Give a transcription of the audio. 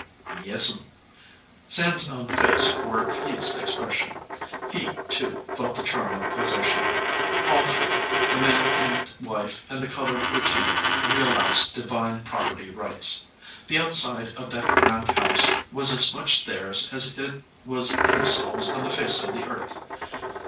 "Yes m." Sam s own face wore a pleased ex pression. He, too, felt the charm of possession. All three, the man and wife and the colored re tainer, realized divine property rights. The out side of that grand house was as much theirs as it was any soul s on the face of the earth.